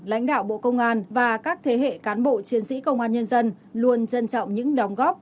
lãnh đạo bộ công an và các thế hệ cán bộ chiến sĩ công an nhân dân luôn trân trọng những đóng góp